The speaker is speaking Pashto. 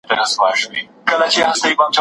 چین پرمختګ کوي.